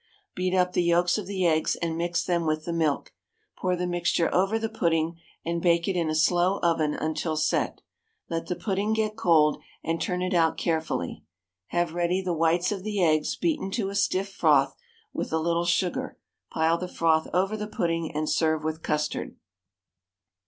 Beat up the yolks of the eggs and mix them with the milk; pour the mixture over the pudding, and bake it in a slow oven until set. Let the pudding get cold, and turn it out carefully. Have ready the whites of the eggs beaten to a stiff froth, with a little sugar; pile the froth over the pudding, and serve with custard.